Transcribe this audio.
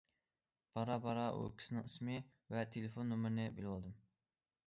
بارا- بارا ئۇ ئىككىسىنىڭ ئىسمى ۋە تېلېفون نومۇرىنى بىلىۋالدىم.